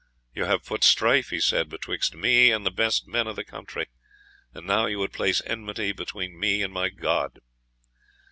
"You have put strife," he said, "betwixt me and the best men of the country, and now you would place enmity between me and my God."